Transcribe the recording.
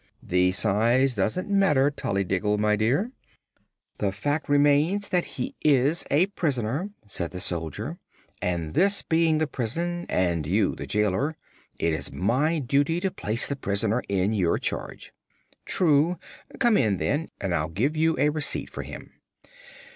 "The size doesn't matter, Tollydiggle, my dear. The fact remains that he is a prisoner," said the soldier. "And, this being the prison, and you the jailer, it is my duty to place the prisoner in your charge." "True. Come in, then, and I'll give you a receipt for him."